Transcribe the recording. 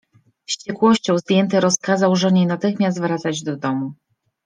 Wściekłością zdjęty rozkazał żonie natychmiast wracać do domu.